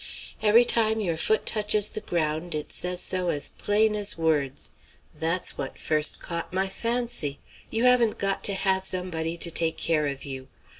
Every time your foot touches the ground it says so as plain as words. That's what first caught my fancy. You haven't got to have somebody to take care of you.